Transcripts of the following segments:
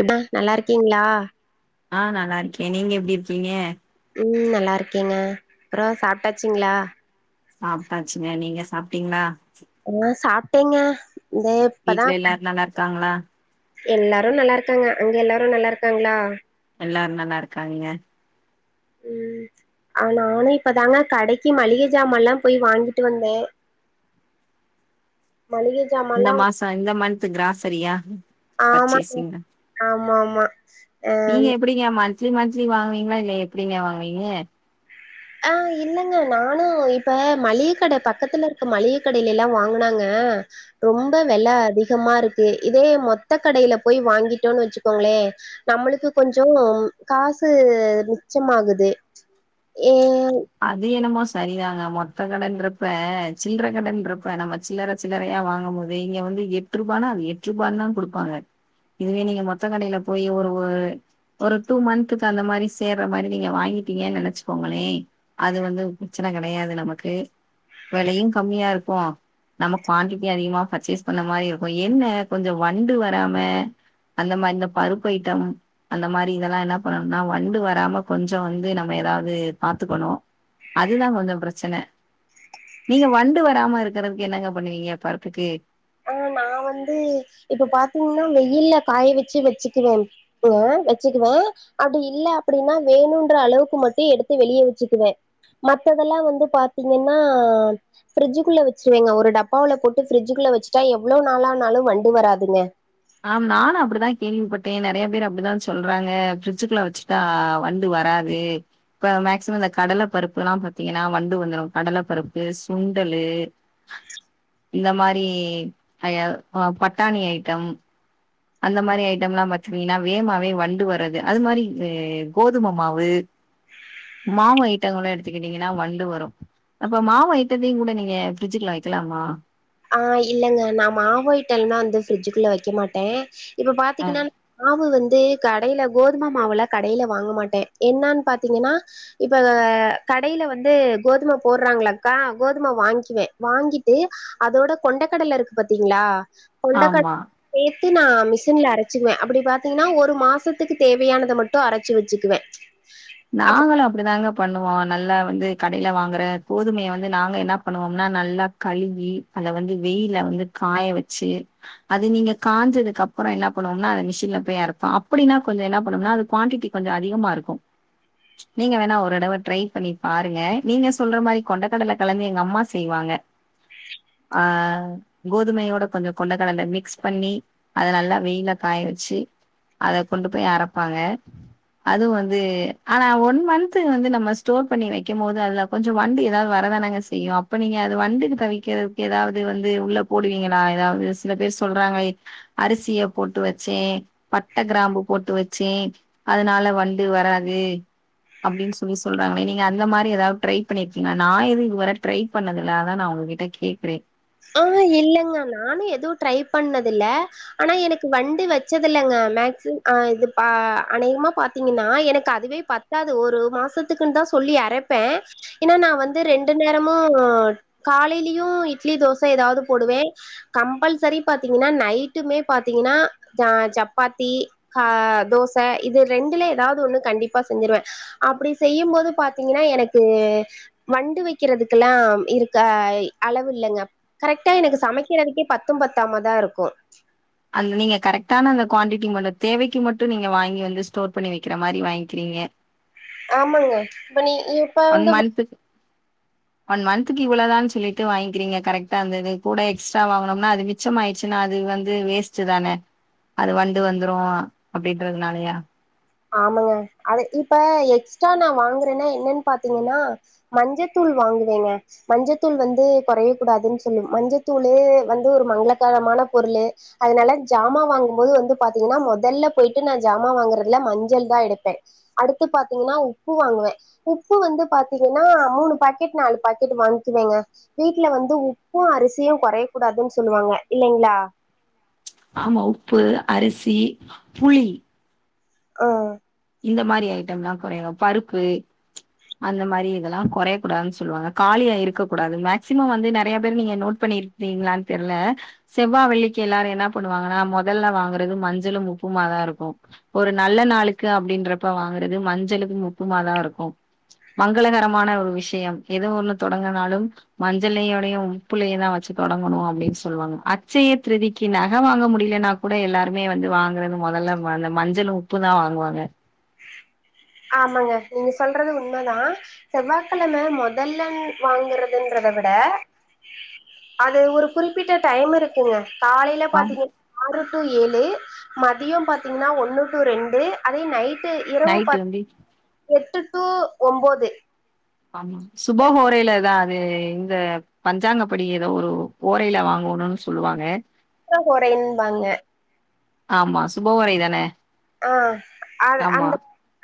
ஏமா நல்லாருக்குங்கலா ஆ நல்லாருக்க நீங்க எப்டி இருக்கீங்க ம் நல்லா இருக்கேங்க அப்பற சாப்ட்டாச்சிங்களா சாப்ட்டாச்சுங்க நீங்க சாப்ட்டீங்களா ஆ சாப்ட்டங்க இந்த இப்பதா வீட்டு்ல எல்லாரு நல்லாருக்காங்களா எல்லாரு நல்லாருக்காங்க அங்க எல்லாரு நல்லாருக்காங்களா எல்லாரு நல்லாருக்காங்க ம் நானு இப்பதாங்க கடைக்கு மளிகை சாமன்லா போய் வாங்கிட்டு வந்த மளிகை இந்த ஜாமான்ல்லா மாச இந்த மன்த் கிராசரியா ஆமா பர்ச்சேசிங் ஆமா ஆமா ஆ நீங்க எப்டிங்க மந்த்லி மந்த்லி வாங்குவீங்களா இல்ல எப்டிங்க வாங்குவீங்க ஆ இல்லங்க நானும் இப்ப மளிக கட பக்கத்துல இருக்க மளிகை கடையில எல்லா வாங்குனாங்க ரொம்ப வெல அதிகமா இருக்கு இதே மொத்த கடையில போய் வாங்கிடோனு வச்சுக்கோங்களே நம்மளுக்கு கொஞ்சோ காசு மிச்சமாகுது ஏ அது என்னமோ சரிதாங்க மொத்த கடன்றப்ப சில்லற கடன்றப்ப நம்ம சில்லற சில்றையா வாங்கும் போது இங்க வந்து எட்டு ரூபானா அது எட்டு ரூபான்னு தா குடுப்பாங்க இதுவே நீங்க மொத்தகடையில போய் ஒருவு ஒரு டூ மந்த்துக்கு அந்த மாரி சேர்ற மாரி நீங்க வாங்கிட்டீங்கன்னு நெனச்சுக்கோங்களே அது வந்து பிரச்சன கெடையாது நமக்கு வெலையு கம்மியா இருக்கு நமக்கு குவாண்டிட்டி அதிகமா பர்ச்சேஸ் பண்ண மாரி இருக்கு என்ன கொஞ்சோ வண்டு வராம அந்த மாரி இந்த பருப்பு ஐட்டம் அந்த மாரி இதெல்லா என்ன பண்ணுன்னா வண்டு வராம கொஞ்சோ வந்து நம்ம ஏதாவது பாத்துக்கணு அதுதா கொஞ்சோ பிரச்சன நீங்க வண்டு வராம இருக்கறதுக்கு என்னங்க பண்ணுவீங்க பருப்புக்கு ஆ நா வந்து இப்ப பாத்தீங்கன்னா வெயில்ல காய வச்சி வச்சிக்குவே [unintelligible] வச்சிடுவ அப்டில்ல அப்டின்னா வேணுன்ற அளவுக்கு மட்டு எடுத்து வெளிய வச்சுக்குவ மத்ததெல்லா வந்து பாத்தீங்கன்னா ஃப்ரிட்ஜிக்குள்ள வச்சிருவேங்க ஒரு டப்பாவுல போட்டு ஃப்ரிட்ஜ்குள்ள வச்சுட்டா எவ்ளோ நாளானாளு வண்டு வராதுங்க ஆ நானு அப்டிதா கேள்விப்பட்டே நெறைய பேர் அப்டிதா சொல்றாங்க பிரிட்ஜுக்குள்ள வச்சுட்டா வண்டு வரா து இப்ப மேக்சிமம் இந்த கடல பருப்புல்லா பாத்தீங்கன்னா வண்டு வந்துரு கடல பருப்பு சுண்டலு இந்த மாரி அதா ஆ பட்டாணி ஐட்டம் அந்த மாரி ஐட்டம்லா பாத்துக்குவீங்கன்னா வேமாவே வண்டு வர்றது அது மாரி் கோதும மாவு மாவு ஐட்டங்கள எடுத்துக்கிட்டீங்கன்னா வண்டு வரு அப்ப மாவு ஐட்டத்தையுங் கூட நீங்க பிரிட்ஜ்குள்ள வைக்கலாமா ஆ இல்லங்க நா மாவு ஐட்டல்லா வந்து பிரிட்ஜ்க்குள்ள வைக்க மாட்டே இப்ப பாத்தீங்கன்னா மாவு வந்து கடையில கோதும மாவுல கடையில வாங்க மாட்டே என்னன்னு பாத்தீங்கன்னா இப்ப கடையில வந்து கோதும போடுறாங்களா அக்கா கோதும வாங்கிக்கிவே வாங்கிட்டு அதோட கொண்டக்கடல இருக்கு பாத்தீங்களா கொண்டக்கட ஆமா. சேத்து நா மிஷின்ல அரச்சிக்குவே அப்டி பாத்தீங்கன்னா ஒரு மாசத்துக்கு தேவையானத மட்டு அரைச்சி வச்சிக்குவே நாங்களு அப்டிதாங்க பண்ணுவோ நல்லா வந்து கடையில வாங்குற கோதுமைய வந்து நாங்க என்ன பண்ணுவோம்னா நல்லா கழுவி அத வந்து வெயில்ல வந்து காய வச்சி அது நீங்க காஞ்சதுக்கு அப்பறோ என்ன பண்ணுவோம்னா அது மெஷின்ல போய் அரப்போ அப்டின்னா கொஞ்சோ என்ன பண்ணுன்னா அது குவாண்டி கொஞ்சோ அதிகமா இருக்கு நீங்க வேணா ஒரு தடவ ட்ரை பண்ணி பாருங்க நீங்க சொல்ற மாரி கொண்டக்கடல கலந்து எங்க அம்மா செய்வாங்க ஆ கோதுமையோட கொஞ்சோ கொண்டக்கடல மிக்ஸ் பண்ணி அத நல்லா வெயில்ல காய வச்சி அத கொண்டு போய் அரைப்பாங்க அதுவு வந்து ஆனா ஒன் மந்த் வந்து நம்ம ஸ்டோர் பண்ணி வைக்கம் போது அதுல கொஞ்சோ வண்டு ஏதாவது வரதானங்க செய்யு இப்ப நீங்க அது வண்டுக்கு தவிக்கிறதுக்கு ஏதாவது வந்து உள்ள போடுவீங்களா ஏதாவது சில பேர் சொல்றாங்களே அரிசிய போட்டு வச்சே பட்ட கிராம்பு போட்டு வச்சே அதனால வண்டு வராது அப்டின்னு சொல்லி சொல்றாங்களே நீங்க அந்த மாரி ஏதாவது ட்ரை பண்ணிருக்கீங்களா நா எதுவு இது வர ட்ரை பண்ணதில்ல அதா நா ஒங்ககிட்ட கேக்குறே ஆ இல்லங்க நானு எதுவு ட்ரை பண்ணது இல்ல ஆனா எனக்கு வண்டு வச்சதில்லங்க மேக்சிம் ஆ இது பா அநேகமா பாத்தீங்கன்னா எனக்கு அதுவே பத் தாது ஒரு மாசத்துக்குன்னுதா சொல்லி அரப்பே ஏனா நா வந்து ரெண்டு நேரமு காலையிலயு இட்லி தோச ஏதாவது போடுவே கம்பல்சரி பாத்தீங்கன்னா நைட்டுமே பாத்தீங்கன்னா நா சப்பாத்தி அ தோச இது ரெண்டுல ஏதாவது ஒண்ணு கண்டிப்பா செஞ்சிருவே அப்டி செய்யு போது பாத்தீங்கன்னா எனக்கு வண்டு வைக்கிறதுக்கெல்லா இருக்க அளவு இல்லங்க கரெக்டா எனக்கு சமைக்கிறதுக்கே பத்து பத்தாமதா இருக்கு அந்த நீங்க கரெக்டான அந்த குவான்ட்டி ம தேவைக்கு மட்டு நீங்க வாங்கி வந்து ஸ்டோர் பண்ணி வைக்கிற மாரி வாங்கிறீங்க ஆமாங்க இப்ப நீ இ ஒன் மன்த்துக் ஒன் மன்த்துக்கு இவ்ளோதான்னு சொல்லிட்டு வாங்கிறீங்க கரெக்டா அந்தது கூட எக்ஸ்ட்ரா வாங்குனோம்னா அது வித் மிச்ச ஆயிடுச்சுன்னா அது வந்து வேஸ்டு தான அது வண்டு வந்துரு அப்டின்றதுனாலயா ஆமாங்க அத இப்ப எக்ஸ்ட்ரா நா வாங்குறேன்னா என்னன்னு பாத்தீங்கன்னா மஞ்சத்தூள் வாங்குவேங்க மஞ்சத்தூள் வந்து கொறைய கூடாதுன்னு சொல்லு மஞ்சத்தூளு வந்து ஒரு மங்களகரமான பொருளு அதனால ஜாமா வாங்கும்போது வந்து பாத்தீங்கன்னா மொதல்ல போயிட்டு நா ஜாமா வாங்குற இல்ல மஞ்சள் தா எடுப்பே அடுத்து பாத்தீங்கன்னா உப்பு வாங்குவே உப்பு வந்து பாத்திங்கனா மூணு பாக்கெட் நாலு பாக்கெட் வாங்கிகுவேங்க வீட்ல வந்து உப்பு அரிசியு கொறைய கூடாதுன்னு சொல்லுவாங்க இல்லைங்களா ஆமா உப்பு அரிசி புளி ஒ இந்த மாறி ஐட்டம்ல்லா கொறையணு பருப்பு அந்த மாறி இதெல்லா கொறையக் கூடாதுன் சொல்வாங்க காலியா இருக்கக்க கூடாது மேக்சிமம் வந்து நெறைய பேர் நீங்க நோட் பண்ணி இருக் நீங்களான்னு தெர்ல செவ்வா வெள்ளிக்கி எல்லாரு என்ன பண்ணுவாங்கன்னா மொதல்ல வாங்குறது மஞ்சளு உப்பு மா தா இருக்கு ஒரு நல்ல நாளுக் க்கு அப்டின்றப்ப வாங்குறது மஞ்சளு உப்பு மா தா இருக்கு மங்களகரமான ஒரு விஷயம் எது ஒண்ணு தொடங்குனாலு மஞ்சளையோடயு உப்புலையு தா வச்சு தொடங்கணு அப்டின்னு சொல்லுவாங்க அச்சைய திருதிக்கு நக வாங்க முடியலன்னா கூட எல்லாருமே வந்து வாங்குறது மொதல்ல அந்த மஞ்சளு உப்பு தா வாங்குவாங்க ஆமாங்க நீங்க சொல்றது உண்ம தா செவ்வாக்கெழம மொதல்லன் வாங்கறதுன்றத விட அது ஒரு குறிப்பிட்ட டைம் இருக்குங்க காலையில ஆமா பாத்தீங் ஆறு டூ ஏழு மதியோ பாத்தீங்கன்னா ஒன்னு டூ ரெண்டு அதே நைட் டு இரவு நைட்டு பத் வந்து எட்டு டூ ஒம்போது ஆமா சுபஹோரையில தா அது இந்த பஞ்சாங்கப்படி ஏதோ ஒரு ஓரையில வாங்கணும்னு சொல்லுவாங்க சுக்ர ஹோரைன்பாங்க ஆமா சுப ஓரை தான அ அது அந்த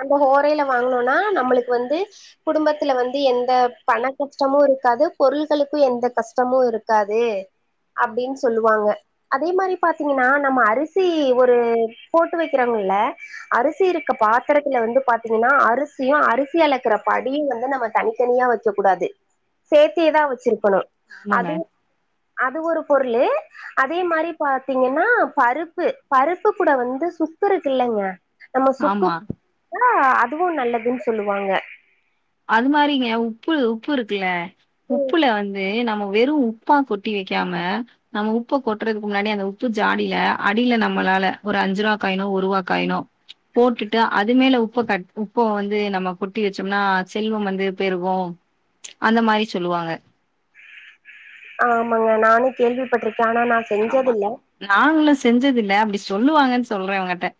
அந்த ஹோரையில வாங்கனும்னா நம்மளுக்கு வந்து குடும்பத்துல வந்து எந்த பண கஷ்டமு இருக்காது பொருள்களுக்கு எந்த கஷ்டமு இருக்காது அப்டின்னு சொல்லுவாங்க அதே மாறி பாத்தீங்கன்னா நம்ம அரிசி ஒரு போட்டு வைக் [unintelligible] அரிசி இருக்க பாத்திரத்தில வந்து பாத்தீங்கன்னா அரிசியு அரிசி அழக்குற படியு வந்து நம்ம தனித்தனியா வச் இருக்க கூடாது சேத்தியதா வச்சிருக்கணு ஆமாங்க அது அது ஒரு பொருளு அதே மாறி பாத்தீங்கன்னா பருப்பு பருப்பு கூட வந்து சுக் சுக்குருக்கு இல்லேங்க நம்ம ஆமா சுக்குப் அ அதுவும் நல்லதுன்னு சொல்லுவாங்க அது மாதிரிங்க உப்பு உப்பு இருக்குல்ல ம், உப்புல வந்து நம்ம வெறும் உப் உப்பா கொட்டி வைக்காம நம்ம உப்பக் கொட்டுறதுக்கு முன்னாடி அந்த உப்பு ஜாடியில அடியில நம்மளால ஒரு அஞ்சு ரூவா காயினோ ஒரு ரூவா காயினோ போட்டுட்டு அது மேல உப்ப தட் உப்ப வந்து நம்ம கொட்டி வச்சோம்னா செல்வம் வந்து பெருகும் அந்த மாதிரி சொல்லுவாங்க ஆமாங்க நானு கேள்விப்பட்டிருக்கே ஆனா நா ஆமா செஞ்சதில்ல நாங்களும் செஞ்சது இல்லே அப்பிடி சொல்லுவாங்கன்னு சொல்றே உங்ககிட்ட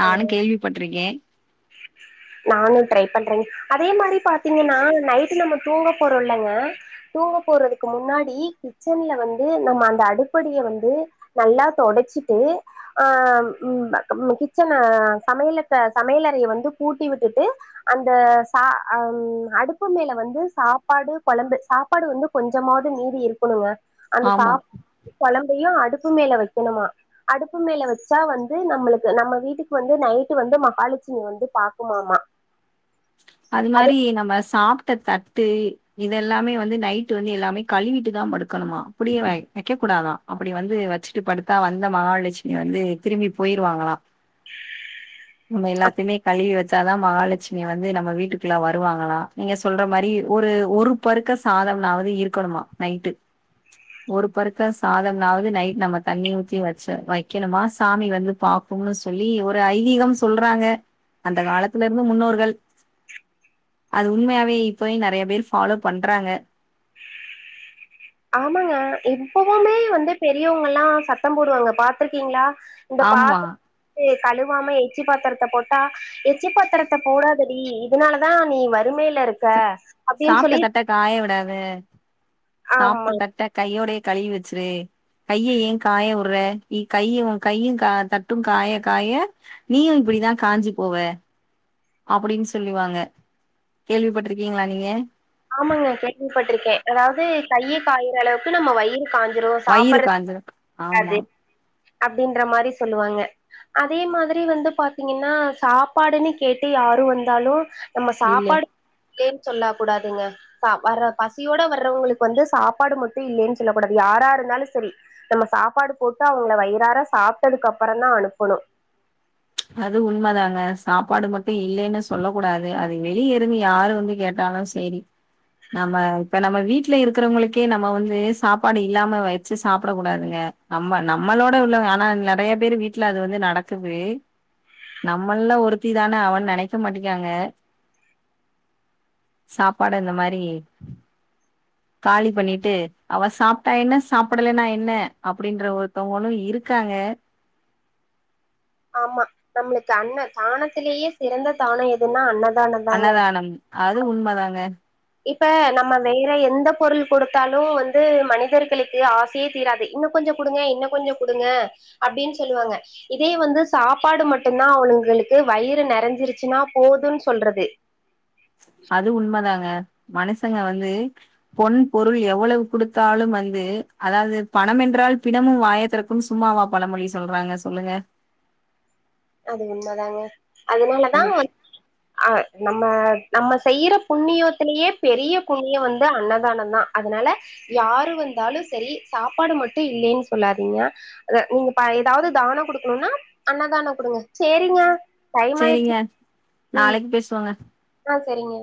நானும் ஆ கேள்வி பட்டிருக்கே நானும் ட்ரை பண்றேங் அதே மாதிரி பாத்தீங்கன்னா நைட்டு நம்ம தூங்கப் போறோம்ல்ங்க தூங்கப் போறதுக்கு முன்னாடி கிச்சன்ல வந்து நம்ம அந்த அடுப்படிய வந்து நல்லா தொடச்சிட்டு அ ம் ம் கிச்சன சமையலுக் சமையலறைய வந்து கூட்டி விட்டுட்டு அந்த சா அ அடுப்பு மேல வந்து சாப்பாடு கொழம்பு சா சாப்பாடு வந்து கொஞ்சமாவது மீதி இருக்கணுங்க அந்த ஆமா. சாப் கொழம்பையும் அடுப்பு மேல வக்கணுமா அடுப்பு மேல வச்சா வந்து நம்மளுக்கு நம்ம வீட்டுக்கு வந்து நைட்டு வந்து மஹாலெக்ஷ் க்ஷ்மி வந்து பாக்குமாமா அது மாதிரி நம்ம சாப்ட்ட தட்டு இதெல்லாமே வந்து நைட்டு வந்து எல்லாமே கழுவிட்டு தா படுக்கணுமா அப்படி வக்க வைக்க கூடாதா அப்படி வந்து வச்சுட்டு படுத்தா வந்த மகாலட்சுமி வந்து திரும்பி போயிருவாங்களா நம்ம எல்லாத்தையுமே கழுவி வச்சா தா மகாலட்சுமி இங்க வந்து நம்ம வீட்டுக்குல்லாம் வருவாங்களா நீங்க சொல்ற மாதிரி ஒரு ஒரு பருக்க சாதம்னாவது இருக்கணுமா நைட்டு ஒரு பருக்க சாதம்னாவது நைட் நம்ம தண்ணி ஊத்தி வச்ச வக்கணுமா சாமி வந்து பாக் கும்னு சொல்லி ஒரு ஐதீகம்னு சொல்றாங்க அந்த காலத்துல இருந்த முன்னோர்கள் அது உண்மையாவே இப்பவு நெறைய பேர் ஃபாலோ பண்றாங்க ஆமாங்க இப்பவுமே வந்து பெரியவங்கல்லா சத்தம் போடுவாங்க பாத்துருக்கீங்களா இந்த ஆமா பாத்திரத்த கழுவாம எச்சி பாத்திரத்தப் போட்டா எச்சிபத்திரத்த போடாதடி இதுனாலதா நீ வறுமையில இருக் ச சாப்ட்ட தட்ட காய விடாத ஆமா சாப்ட்ட தட்ட கையோடையே கழுவி வச்சுரு கைய ஏன் காய விடுற கையும கையும் கா தட்டு காயக் காய நீயும் இப்பிடிதா காஞ்சி போவ அப்பிடின்னு சொல்லுவாங்க கேள்விப்பட்டிருக்கீங்களா நீங்க ஆமாங்க கேள்விப்பட்டிருக்கே அதாவது கையு காயுற அளவுக்கு நம்ம வயிறு காஞ்சிரும் வயிறு சாப்புட்றது காஞ்சிரு ஆமா அது அப்பிடின்ற மாதிரி சொல்லுவாங்க அதே மாதிரி வந்து பாத்தீங்கன்னா சாப்பாடுன்னு கேட்டு யாரு வந்தாலு நம்ம இல்ல சாப்பாடு லேன்னு சொல்லக் கூடாதுங்க ச வர்ற பசியோட வர்றவங்களுக்கு வந்து சாப்பாடு மட்டும் இல்லேன்னு சொல்லக் கூடாது யாரா இருந்தாலும் சரி நம்ம சாப்பாடு போட்டு அவுங்கள வயிறாற சாப்பிட்டதுக்கு அப்புறம் தா அனுப்பணும் அது உண்ம தாங்க சாப்பாடு மட்டும் இல்லேன்னு சொல்லக் கூடாது அது வெளியே இருந்து யாரு வந்து கேட்டாலு சேரி நம்ம இப்ப நம்ம வீட்டுல இருக்கிறவங்களுக்கே நம்ம வந்து சாப்பாடு இல்லாம வச்சு சாப்பிடக் கூடாதுங்க நம்ம நம்மளோட உள்ளவ ஆனா நெறைய பேரு வீட்ல அது வந்து நடக்குது நம்மள்ல ஒருத்தி தான அவ நெனைக்க மாட்டிகியாங்க சாப்பாட இந்த மாரி காலி பண்ணிட்டு அவ சாப்ட்டா என்ன சாப்படலனா என்ன அப்டின்ற ஒருத்தவங்களு இருக்காங்க ஆமா நம்மளுக்கு அன்ன தானத்திலயே சிறந்த தானம் எதுன்னா அன்னதான தாங்க அன்னதானம் அது உண்ம தாங்க இப்ப நம்ம வேற எந்த பொருள் குடுத்தாலும் வந்து மனிதர்களுக்கு ஆ சே தீராது இன்னு கொஞ்சம் குடுங்க இன்னு கொஞ்சம் குடுங்க அப்டின் சொல்லுவாங்க இதே வந்து சாப்பாடு மட்டு தா அவனுங்களுக்கு வயிறு நெறஞ்சிருச்சுன்னா போதுன் சொல்றது அது உண்மதாங்க மனஷங்க வந்து பொன் பொருள் எவ்வளவு குடுத்தாலும் வந்து அதாவ்து பணம் என்றால் பிணமும் வாயத்திறக் கும் சும்மாவா பழமொழி சொல்றாங்க சொல்லுங்க அது உண்ம தாங்க அதனாலதா ஆமா. வந் அ நம்ம நம்ம செய்யற புண்ணியத்திலே பெரிய புண்ணியம் வந்து அன்னதானம் தா அதுனால யாரு வந்தாலும் செரி சாப்பாடு மட்டும் இல்லேன் சொல்லாதீங்க நீங்க இப்ப எதாவ்து தானம் குடுக்கணும்னா அன்னதானம் குடுங்க சேரிங்க டைம் ஆயிர்ச்சு நாளைக் பேசுவோங்க அ செரிங்க